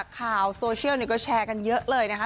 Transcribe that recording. ข่าวโซเชียลก็แชร์กันเยอะเลยนะคะ